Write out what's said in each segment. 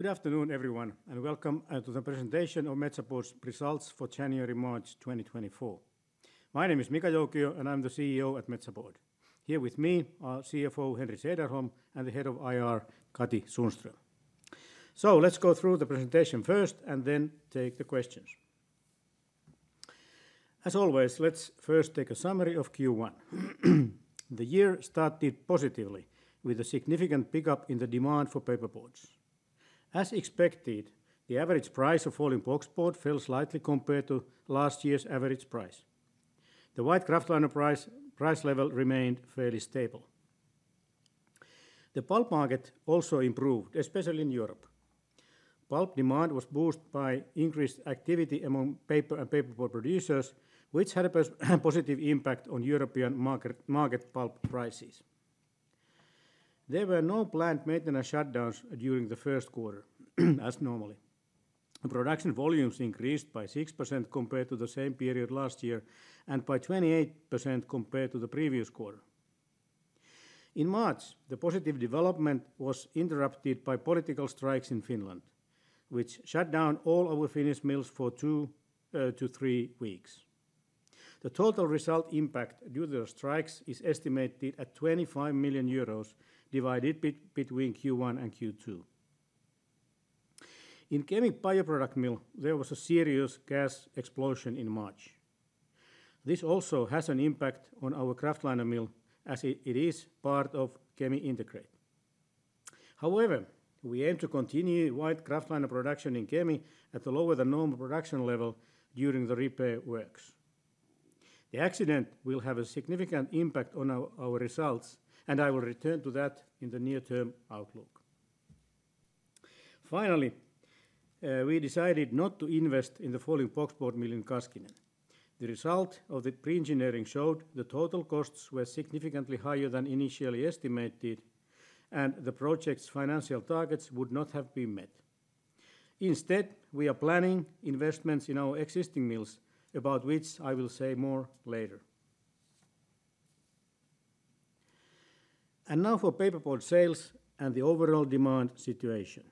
Good afternoon, everyone, and welcome to the presentation of Metsä Board's results for January-March 2024. My name is Mika Joukio, and I'm the CEO at Metsä Board. Here with me are CFO Henri Sederholm and the head of IR, Katri Sundström. Let's go through the presentation first and then take the questions. As always, let's first take a summary of Q1. The year started positively with a significant pickup in the demand for paperboards. As expected, the average price of folding boxboard fell slightly compared to last year's average price. The white kraftliner price level remained fairly stable. The pulp market also improved, especially in Europe. Pulp demand was boosted by increased activity among paper and paperboard producers, which had a positive impact on European market pulp prices. There were no planned maintenance shutdowns during the first quarter, as normally. Production volumes increased by 6% compared to the same period last year and by 28% compared to the previous quarter. In March, the positive development was interrupted by political strikes in Finland, which shut down all our Finnish mills for 2-3 weeks. The total result impact due to the strikes is estimated at 25 million euros divided between Q1 and Q2. In Kemi Bioproduct Mill, there was a serious gas explosion in March. This also has an impact on our kraftliner mill as it is part of Kemi integrate. However, we aim to continue white kraftliner production in Kemi at a lower than normal production level during the repair works. The accident will have a significant impact on our results, and I will return to that in the near-term outlook. Finally, we decided not to invest in the folding boxboard mill in Kaskinen. The result of the pre-engineering showed the total costs were significantly higher than initially estimated, and the project's financial targets would not have been met. Instead, we are planning investments in our existing mills, about which I will say more later. Now for paperboard sales and the overall demand situation.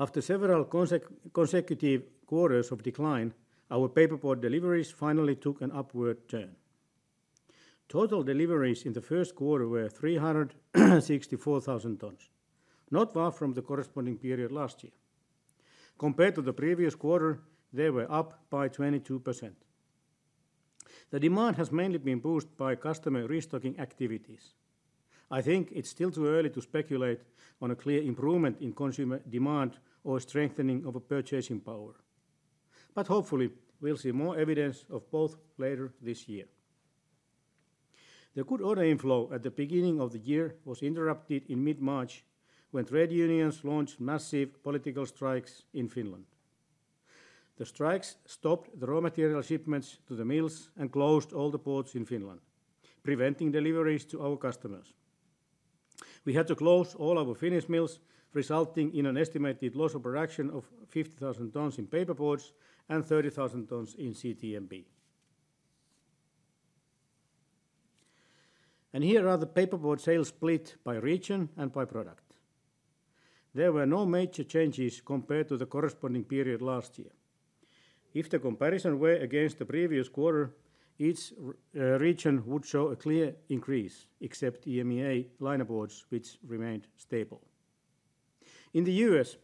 After several consecutive quarters of decline, our paperboard deliveries finally took an upward turn. Total deliveries in the first quarter were 364,000 tons, not far from the corresponding period last year. Compared to the previous quarter, they were up by 22%. The demand has mainly been boosted by customer restocking activities. I think it's still too early to speculate on a clear improvement in consumer demand or strengthening of purchasing power. But hopefully, we'll see more evidence of both later this year. The good order inflow at the beginning of the year was interrupted in mid-March when trade unions launched massive political strikes in Finland. The strikes stopped the raw material shipments to the mills and closed all the ports in Finland, preventing deliveries to our customers. We had to close all our Finnish mills, resulting in an estimated loss of production of 50,000 tons in paper boards and 30,000 tons in CTMP. Here are the paper board sales split by region and by product. There were no major changes compared to the corresponding period last year. If the comparison were against the previous quarter, each region would show a clear increase, except EMEA liner boards, which remained stable. In the U.S.,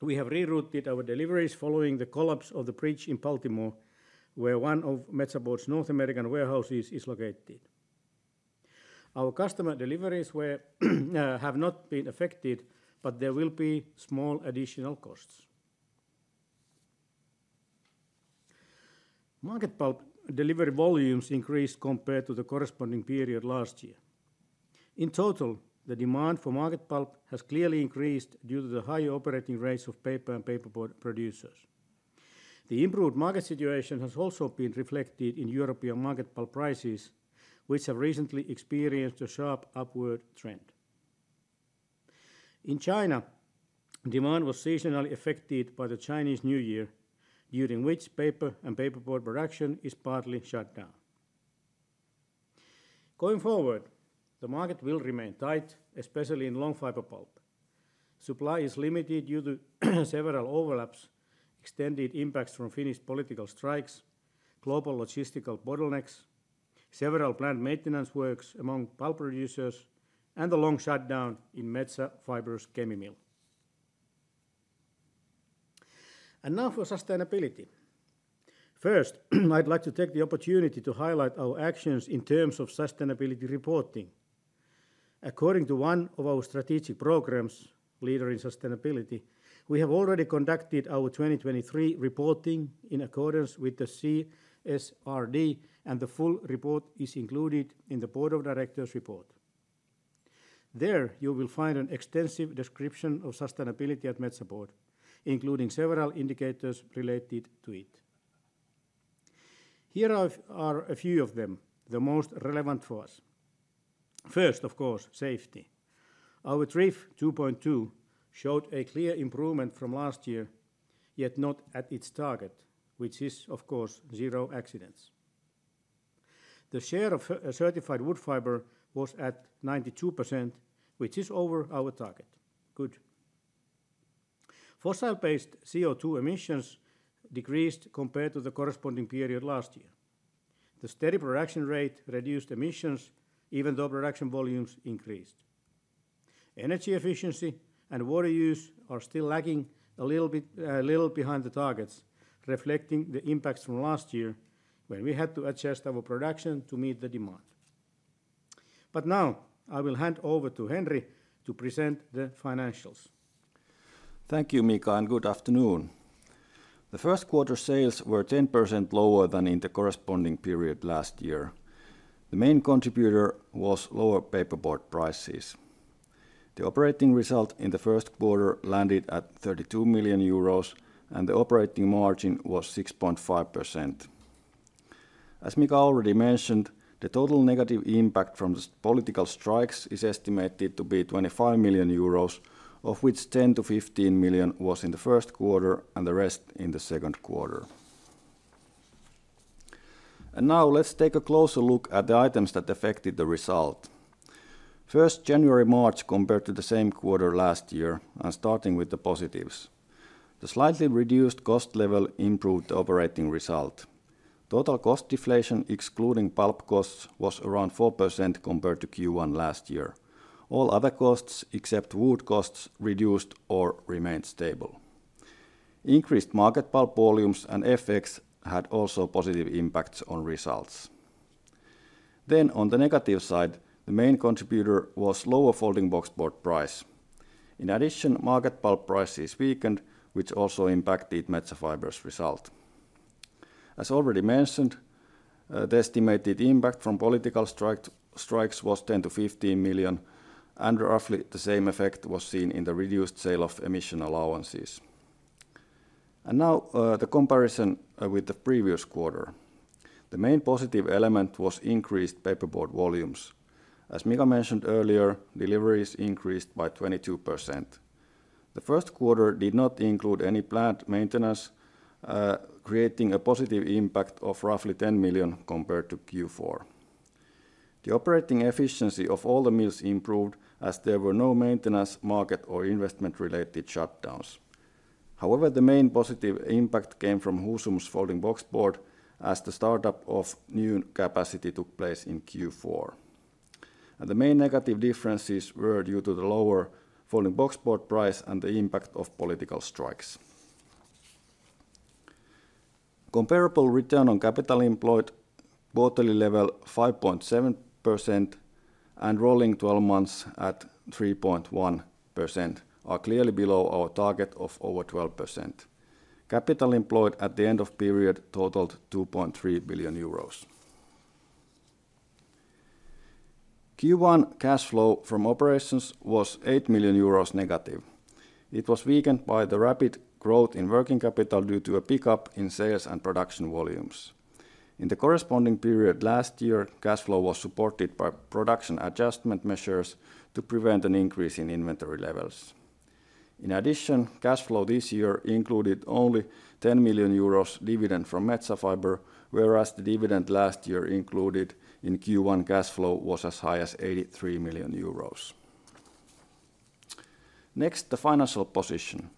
we have rerouted our deliveries following the collapse of the bridge in Baltimore, where one of Metsä Board's North American warehouses is located. Our customer deliveries have not been affected, but there will be small additional costs. Market pulp delivery volumes increased compared to the corresponding period last year. In total, the demand for market pulp has clearly increased due to the higher operating rates of paper and paper board producers. The improved market situation has also been reflected in European market pulp prices, which have recently experienced a sharp upward trend. In China, demand was seasonally affected by the Chinese New Year, during which paper and paper board production is partly shut down. Going forward, the market will remain tight, especially in long fiber pulp. Supply is limited due to several overlaps, extended impacts from Finnish political strikes, global logistical bottlenecks, several planned maintenance works among pulp producers, and the long shutdown in Metsä Fibre's Kemi mill. And now for sustainability. First, I'd like to take the opportunity to highlight our actions in terms of sustainability reporting. According to one of our strategic programs, Leader in Sustainability, we have already conducted our 2023 reporting in accordance with the CSRD, and the full report is included in the Board of Directors report. There you will find an extensive description of sustainability at Metsä Board, including several indicators related to it. Here are a few of them, the most relevant for us. First, of course, safety. Our TRIF 2.2 showed a clear improvement from last year, yet not at its target, which is, of course, zero accidents. The share of certified wood fiber was at 92%, which is over our target. Good. Fossil-based CO2 emissions decreased compared to the corresponding period last year. The steady production rate reduced emissions, even though production volumes increased. Energy efficiency and water use are still lagging a little behind the targets, reflecting the impacts from last year when we had to adjust our production to meet the demand. Now I will hand over to Henri to present the financials. Thank you, Mika, and good afternoon. The first quarter sales were 10% lower than in the corresponding period last year. The main contributor was lower paperboard prices. The operating result in the first quarter landed at 32 million euros, and the operating margin was 6.5%. As Mika already mentioned, the total negative impact from the political strikes is estimated to be 25 million euros, of which 10 million-15 million was in the first quarter and the rest in the second quarter. Now let's take a closer look at the items that affected the result. First, January-March compared to the same quarter last year, and starting with the positives. The slightly reduced cost level improved the operating result. Total cost deflation, excluding pulp costs, was around 4% compared to Q1 last year. All other costs, except wood costs, reduced or remained stable. Increased market pulp volumes and FX had also positive impacts on results. Then, on the negative side, the main contributor was lower folding boxboard price. In addition, market pulp prices weakened, which also impacted Metsä Fibre's result. As already mentioned, the estimated impact from political strikes was 10 million-15 million, and roughly the same effect was seen in the reduced sale of emission allowances. Now the comparison with the previous quarter. The main positive element was increased paperboard volumes. As Mika mentioned earlier, deliveries increased by 22%. The first quarter did not include any planned maintenance, creating a positive impact of roughly 10 million compared to Q4. The operating efficiency of all the mills improved as there were no maintenance, market, or investment-related shutdowns. However, the main positive impact came from Husum's folding boxboard as the startup of new capacity took place in Q4. The main negative differences were due to the lower folding boxboard price and the impact of political strikes. Comparable return on capital employed, quarterly level 5.7%, and rolling 12 months at 3.1% are clearly below our target of over 12%. Capital employed at the end of period totaled 2.3 billion euros. Q1 cash flow from operations was 8 million euros negative. It was weakened by the rapid growth in working capital due to a pickup in sales and production volumes. In the corresponding period last year, cash flow was supported by production adjustment measures to prevent an increase in inventory levels. In addition, cash flow this year included only 10 million euros dividend from Metsä Fibre, whereas the dividend last year included in Q1 cash flow was as high as 83 million euros. Next, the financial position.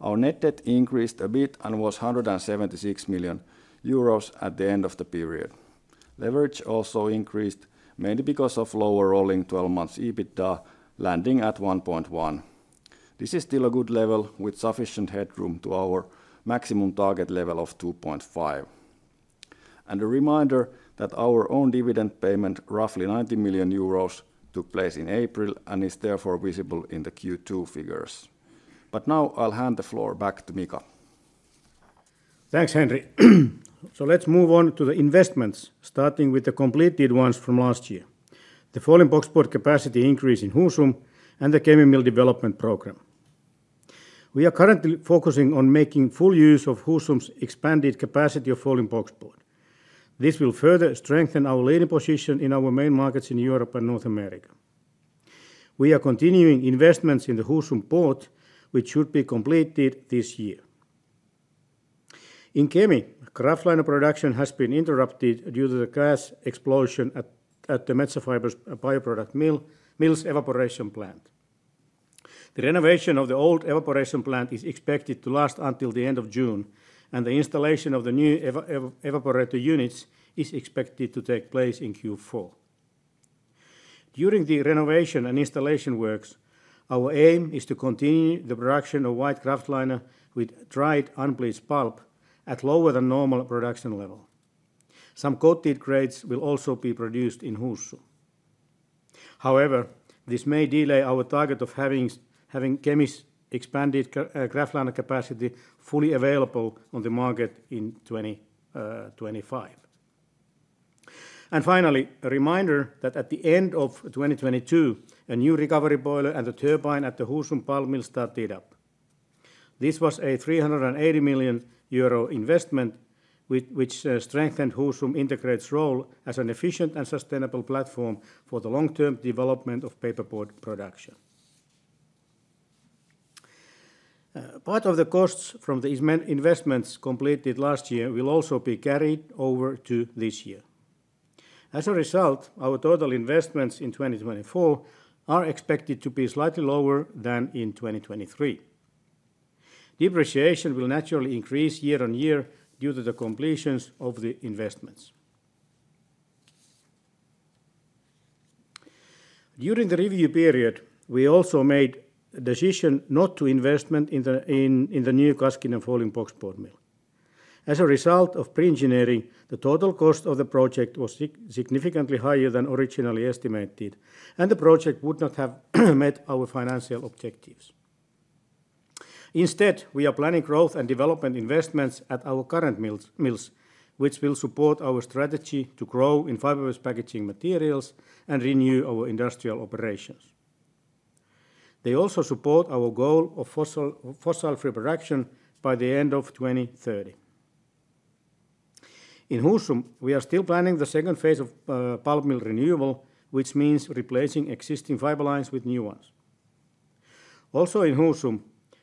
Our net debt increased a bit and was 176 million euros at the end of the period. Leverage also increased, mainly because of lower rolling 12 months EBITDA landing at 1.1. This is still a good level with sufficient headroom to our maximum target level of 2.5. A reminder that our own dividend payment, roughly 90 million euros, took place in April and is therefore visible in the Q2 figures. Now I'll hand the floor back to Mika. Thanks, Henri. So let's move on to the investments, starting with the completed ones from last year, the folding boxboard capacity increase in Husum, and the Kemi Mill development program. We are currently focusing on making full use of Husum's expanded capacity of folding boxboard. This will further strengthen our leading position in our main markets in Europe and North America. We are continuing investments in the Husum port, which should be completed this year. In Kemi, kraftliner production has been interrupted due to the gas explosion at the Metsä Fibre Bioproduct Mill's evaporation plant. The renovation of the old evaporation plant is expected to last until the end of June, and the installation of the new evaporator units is expected to take place in Q4. During the renovation and installation works, our aim is to continue the production of white kraftliner with dried unbleached pulp at lower than normal production level. Some coated grades will also be produced in Husum. However, this may delay our target of having Kemi's expanded kraftliner capacity fully available on the market in 2025. Finally, a reminder that at the end of 2022, a new recovery boiler and a turbine at the Husum pulp mill started up. This was a 380 million euro investment, which strengthened Husum's integrated role as an efficient and sustainable platform for the long-term development of paperboard production. Part of the costs from the investments completed last year will also be carried over to this year. As a result, our total investments in 2024 are expected to be slightly lower than in 2023. Depreciation will naturally increase year on year due to the completions of the investments. During the review period, we also made a decision not to invest in the new Kaskinen folding boxboard mill. As a result of pre-engineering, the total cost of the project was significantly higher than originally estimated, and the project would not have met our financial objectives. Instead, we are planning growth and development investments at our current mills, which will support our strategy to grow in fibrous packaging materials and renew our industrial operations. They also support our goal of fossil-free production by the end of 2030. In Husum, we are still planning the second phase of pulp mill renewal, which means replacing existing fiber lines with new ones. Also in Husum,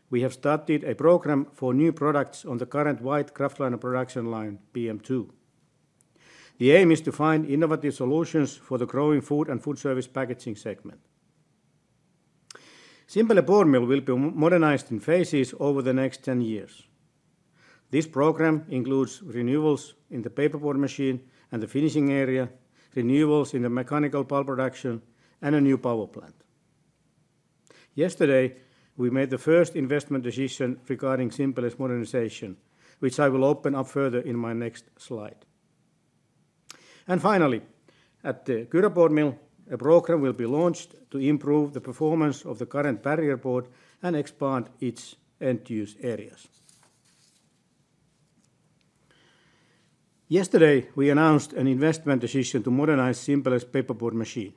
we have started a program for new products on the current white kraftliner production line, PM2. The aim is to find innovative solutions for the growing food and food service packaging segment. Simpele paperboard mill will be modernized in phases over the next 10 years. This program includes renewals in the paperboard machine and the finishing area, renewals in the mechanical pulp production, and a new power plant. Yesterday, we made the first investment decision regarding Simpele's modernization, which I will open up further in my next slide. And finally, at the Kyro Board Mill, a program will be launched to improve the performance of the current barrier board and expand its end-use areas. Yesterday, we announced an investment decision to modernize Simpele's paperboard machine.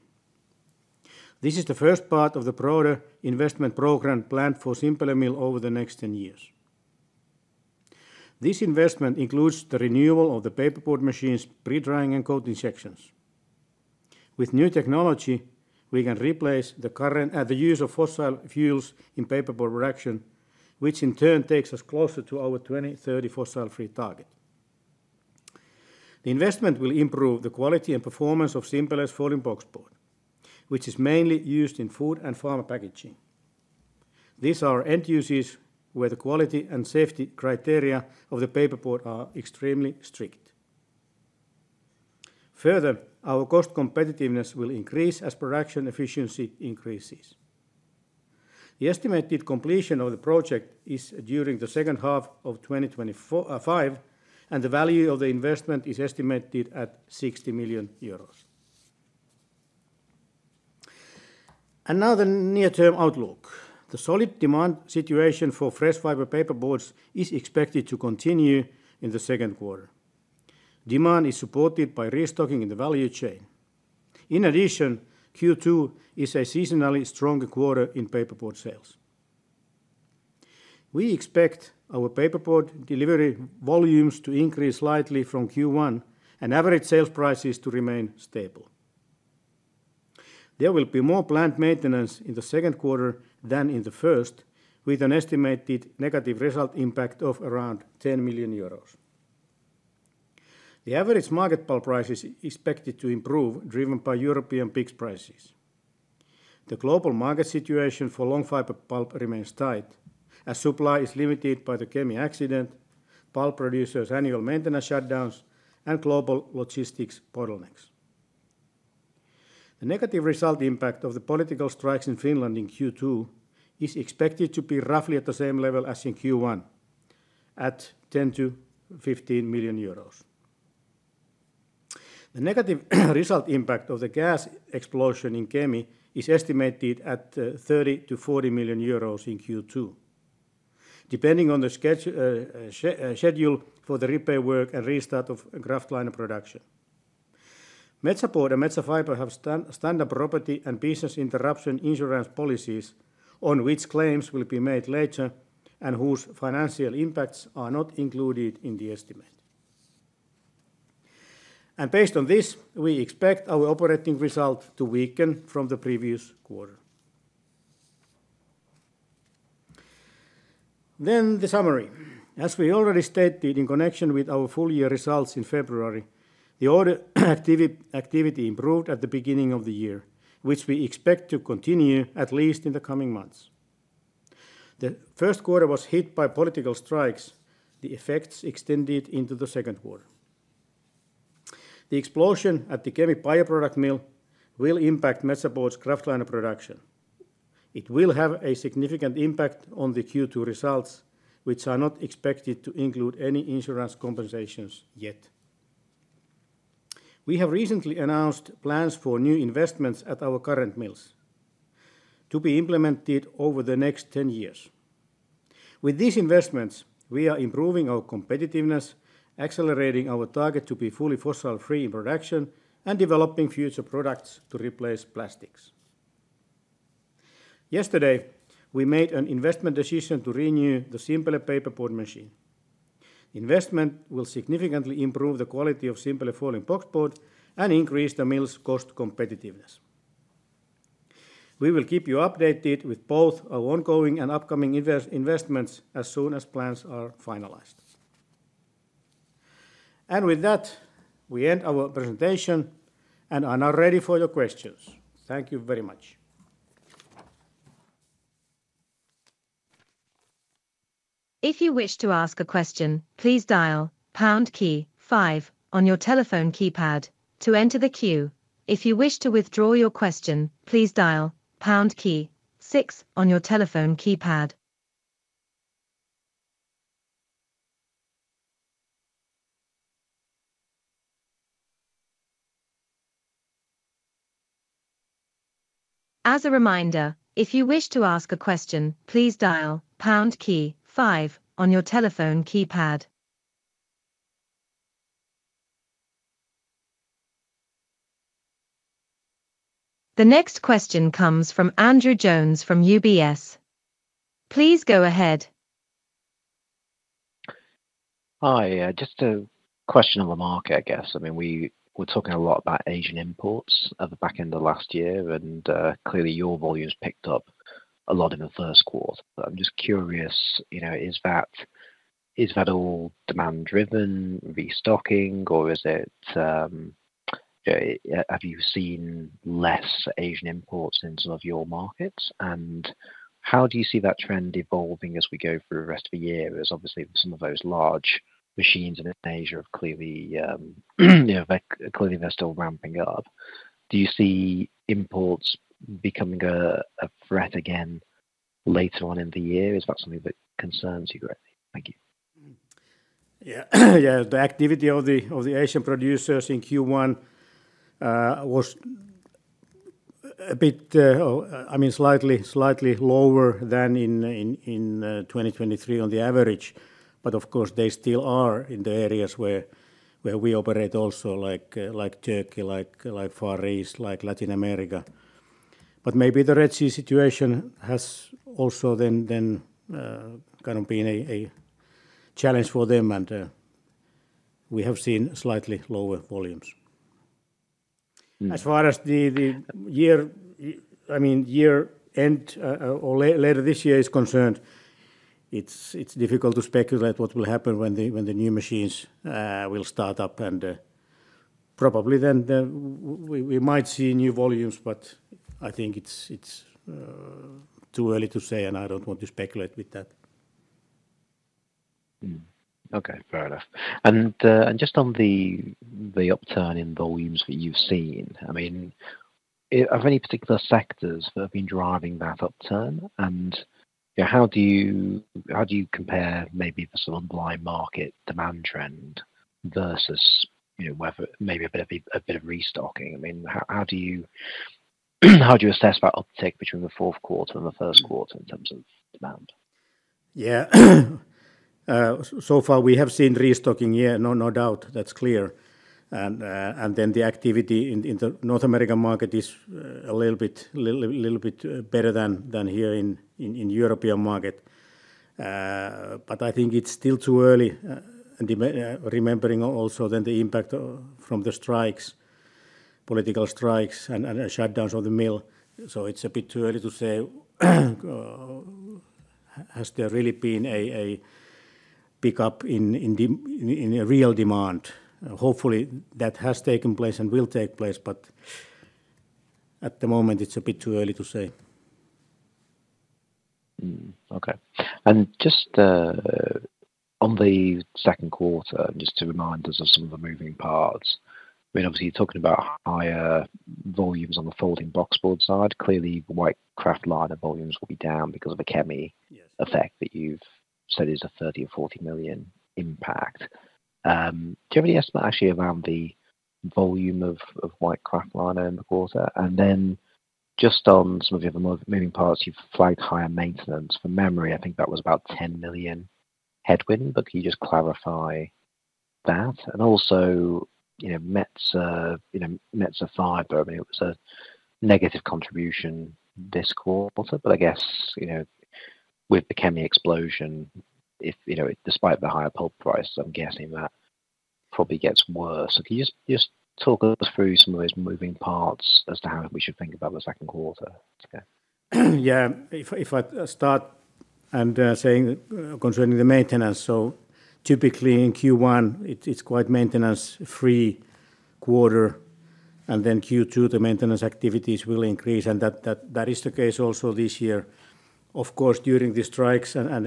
This is the first part of the broader investment program planned for Simpele Mill over the next 10 years. This investment includes the renewal of the paperboard machine's pre-drying and coating sections. With new technology, we can replace the use of fossil fuels in paperboard production, which in turn takes us closer to our 2030 fossil-free target. The investment will improve the quality and performance of Simpele's folding boxboard, which is mainly used in food and pharma packaging. These are end uses where the quality and safety criteria of the paperboard are extremely strict. Further, our cost competitiveness will increase as production efficiency increases. The estimated completion of the project is during the second half of 2025, and the value of the investment is estimated at 60 million euros. Now the near-term outlook. The solid demand situation for fresh fiber paperboards is expected to continue in the second quarter. Demand is supported by restocking in the value chain. In addition, Q2 is a seasonally stronger quarter in paperboard sales. We expect our paperboard delivery volumes to increase slightly from Q1, and average sales prices to remain stable. There will be more plant maintenance in the second quarter than in the first, with an estimated negative result impact of around 10 million euros. The average market pulp price is expected to improve, driven by European peak prices. The global market situation for long fiber pulp remains tight, as supply is limited by the Kemi accident, pulp producers' annual maintenance shutdowns, and global logistics bottlenecks. The negative result impact of the political strikes in Finland in Q2 is expected to be roughly at the same level as in Q1, at 10 million-15 million euros. The negative result impact of the gas explosion in Kemi is estimated at 30 million-40 million euros in Q2, depending on the schedule for the repair work and restart of kraftliner production. Metsä Board and Metsä Fibre have standard property and business interruption insurance policies on which claims will be made later and whose financial impacts are not included in the estimate. Based on this, we expect our operating result to weaken from the previous quarter. The summary. As we already stated in connection with our full year results in February, the order activity improved at the beginning of the year, which we expect to continue at least in the coming months. The first quarter was hit by political strikes. The effects extended into the second quarter. The explosion at the Kemi Bioproduct Mill will impact Metsä Board's kraftliner production. It will have a significant impact on the Q2 results, which are not expected to include any insurance compensations yet. We have recently announced plans for new investments at our current mills to be implemented over the next 10 years. With these investments, we are improving our competitiveness, accelerating our target to be fully fossil-free in production, and developing future products to replace plastics. Yesterday, we made an investment decision to renew the Simpele paperboard machine. The investment will significantly improve the quality of Simpele folding boxboard and increase the mill's cost competitiveness. We will keep you updated with both our ongoing and upcoming investments as soon as plans are finalized. And with that, we end our presentation and are now ready for your questions. Thank you very much. If you wish to ask a question, please dial pound key five on your telephone keypad to enter the queue. If you wish to withdraw your question, please dial pound key six on your telephone keypad. As a reminder, if you wish to ask a question, please dial pound key five on your telephone keypad. The next question comes from Andrew Jones from UBS. Please go ahead. Hi. Just a question on the market, I guess. I mean, we were talking a lot about Asian imports at the back end of last year, and clearly your volumes picked up a lot in the first quarter. But I'm just curious, is that all demand-driven restocking, or have you seen less Asian imports in some of your markets? And how do you see that trend evolving as we go through the rest of the year? Obviously, some of those large machines in Asia are clearly still ramping up. Do you see imports becoming a threat again later on in the year? Is that something that concerns you greatly? Thank you. Yeah. Yeah. The activity of the Asian producers in Q1 was a bit, I mean, slightly lower than in 2023 on the average. But of course, they still are in the areas where we operate also, like Turkey, like Far East, like Latin America. But maybe the Red Sea situation has also then kind of been a challenge for them, and we have seen slightly lower volumes. As far as the year-end or later this year is concerned, it's difficult to speculate what will happen when the new machines will start up. And probably then we might see new volumes, but I think it's too early to say, and I don't want to speculate with that. Okay. Fair enough. Just on the upturn in volumes that you've seen, I mean, are there any particular sectors that have been driving that upturn? How do you compare maybe the sort of underlying market demand trend versus maybe a bit of restocking? I mean, how do you assess that uptick between the fourth quarter and the first quarter in terms of demand? Yeah. So far, we have seen restocking here. No doubt. That's clear. And then the activity in the North American market is a little bit better than here in the European market. But I think it's still too early, remembering also then the impact from the strikes, political strikes, and shutdowns of the mill. So it's a bit too early to say, has there really been a pickup in real demand? Hopefully, that has taken place and will take place, but at the moment, it's a bit too early to say. Okay. And just on the second quarter, just to remind us of some of the moving parts, I mean, obviously, you're talking about higher volumes on the folding boxboard side. Clearly, white kraftliner volumes will be down because of the Kemi effect that you've said is a 30 million or 40 million impact. Do you have any estimate actually around the volume of white kraftliner in the quarter? And then just on some of the other moving parts, you've flagged higher maintenance. For memory, I think that was about 10 million headwind, but can you just clarify that? And also, Metsä Fibre, I mean, it was a negative contribution this quarter, but I guess with the Kemi explosion, despite the higher pulp price, I'm guessing that probably gets worse. Can you just talk us through some of those moving parts as to how we should think about the second quarter? Yeah. If I start concerning the maintenance, so typically in Q1, it's quite a maintenance-free quarter. And then Q2, the maintenance activities will increase, and that is the case also this year. Of course, during the strikes and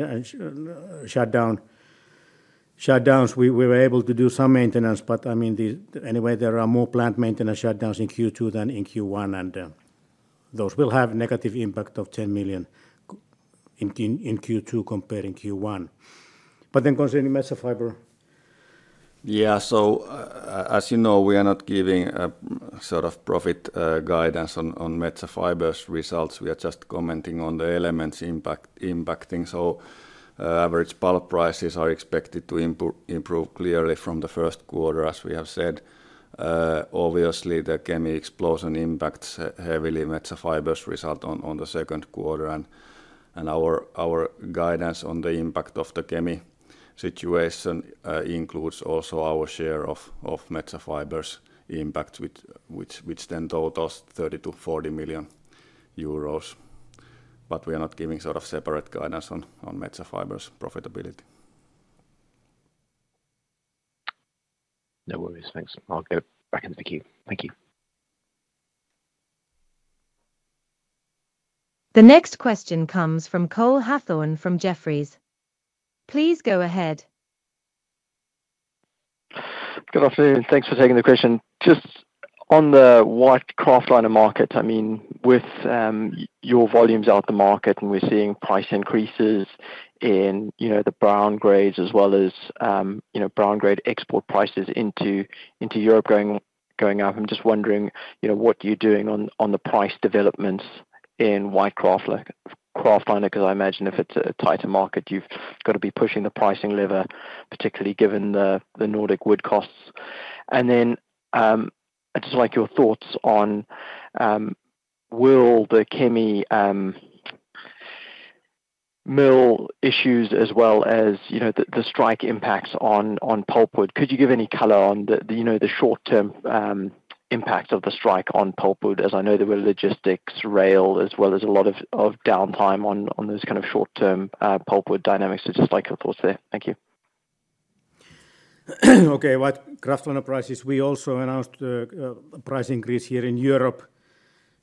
shutdowns, we were able to do some maintenance, but I mean, anyway, there are more plant maintenance shutdowns in Q2 than in Q1, and those will have a negative impact of 10 million in Q2 compared to Q1. But then concerning Metsä Fibre. Yeah. So as you know, we are not giving sort of profit guidance on Metsä Fibre's results. We are just commenting on the elements impacting. So average pulp prices are expected to improve clearly from the first quarter, as we have said. Obviously, the Kemi explosion impacts heavily Metsä Fibre's result on the second quarter. And our guidance on the impact of the Kemi situation includes also our share of Metsä Fibre's impact, which then totals 30 million-40 million euros. But we are not giving sort of separate guidance on Metsä Fibre's profitability. No worries. Thanks. I'll get back into the queue. Thank you. The next question comes from Cole Hathorn from Jefferies. Please go ahead. Good afternoon. Thanks for taking the question. Just on the white kraftliner market, I mean, with your volumes out of the market and we're seeing price increases in the brown grades as well as brown grade export prices into Europe going up, I'm just wondering what you're doing on the price developments in white kraftliner, because I imagine if it's a tighter market, you've got to be pushing the pricing lever, particularly given the Nordic wood costs. And then I'd just like your thoughts on the Kemi mill issues as well as the strike impacts on pulp wood. Could you give any color on the short-term impacts of the strike on pulp wood? As I know, there were logistics, rail, as well as a lot of downtime on those kind of short-term pulp wood dynamics. So just like your thoughts there. Thank you. Okay. White kraftliner prices, we also announced a price increase here in Europe,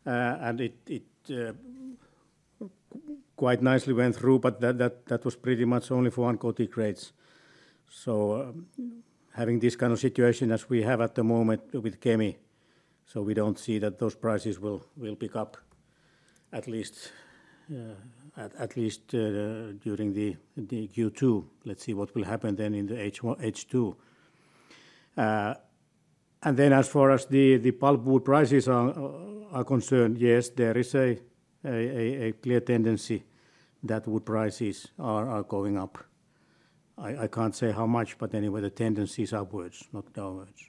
and it quite nicely went through, but that was pretty much only for 140 grades. So having this kind of situation as we have at the moment with Kemi, so we don't see that those prices will pick up at least during the Q2. Let's see what will happen then in the H2. And then as far as the pulp wood prices are concerned, yes, there is a clear tendency that wood prices are going up. I can't say how much, but anyway, the tendency is upwards, not downwards.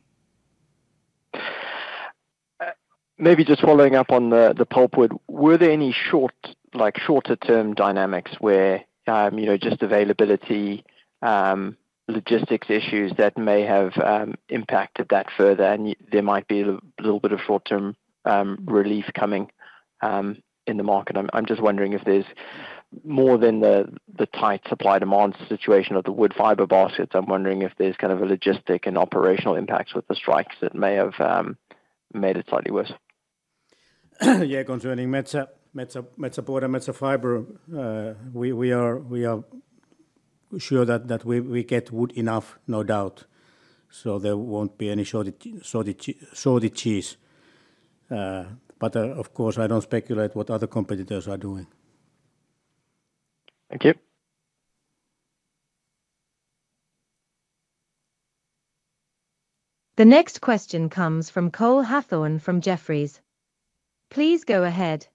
Maybe just following up on the pulp wood, were there any shorter-term dynamics where just availability, logistics issues that may have impacted that further? There might be a little bit of short-term relief coming in the market. I'm just wondering if there's more than the tight supply-demand situation of the wood fiber baskets, I'm wondering if there's kind of a logistic and operational impact with the strikes that may have made it slightly worse. Yeah. Concerning Metsä Board and Metsä Fibre, we are sure that we get wood enough, no doubt. So there won't be any shortages. But of course, I don't speculate what other competitors are doing. Thank you. The next question comes from Cole Hathorn from Jefferies. Please go ahead.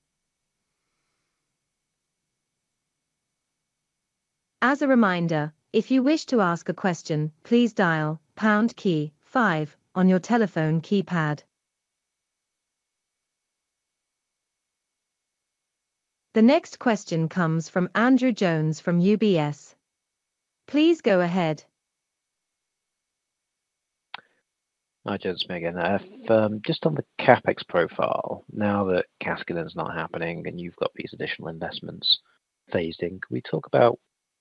As a reminder, if you wish to ask a question, please dial pound key five on your telephone keypad. The next question comes from Andrew Jones from UBS. Please go ahead. Hi, gentlemen. Just on the CapEx profile, now that Kaskinen is not happening and you've got these additional investments phased in, can we talk about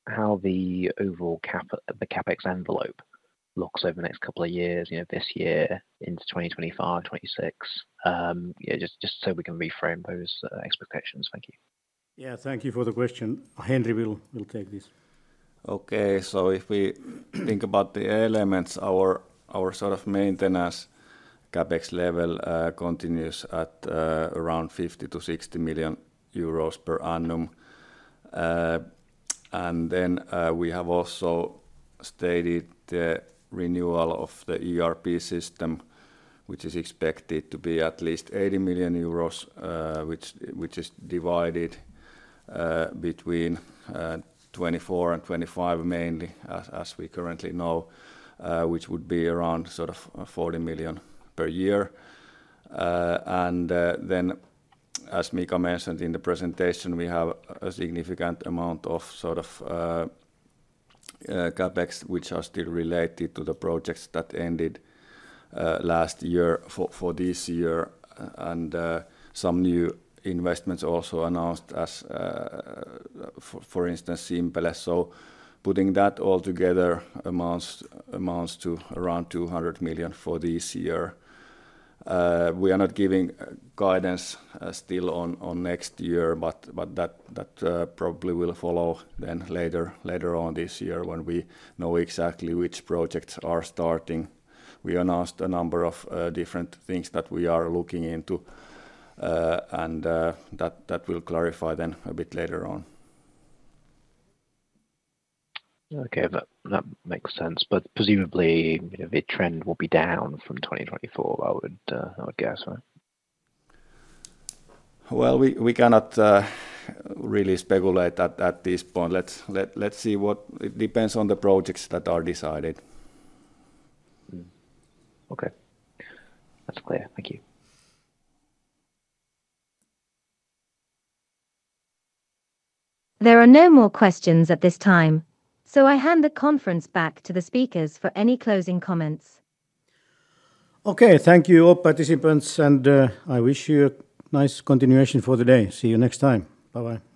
how the overall CapEx envelope looks over the next couple of years, this year into 2025, 2026, just so we can reframe those expectations? Thank you. Yeah. Thank you for the question. Henri will take this. Okay. So if we think about the elements, our sort of maintenance CapEx level continues at around 50 million-60 million euros per annum. And then we have also stated the renewal of the ERP system, which is expected to be at least 80 million euros, which is divided between 2024 and 2025 mainly, as we currently know, which would be around sort of 40 million per year. And then, as Mika mentioned in the presentation, we have a significant amount of sort of CapEx, which are still related to the projects that ended last year for this year. And some new investments also announced, for instance, Simpele. So putting that all together amounts to around 200 million for this year. We are not giving guidance still on next year, but that probably will follow then later on this year when we know exactly which projects are starting. We announced a number of different things that we are looking into, and that will clarify then a bit later on. Okay. That makes sense. But presumably, the trend will be down from 2024, I would guess, right? Well, we cannot really speculate at this point. Let's see what it depends on, the projects that are decided. Okay. That's clear. Thank you. There are no more questions at this time, so I hand the conference back to the speakers for any closing comments. Okay. Thank you, all participants, and I wish you a nice continuation for the day. See you next time. Bye-bye.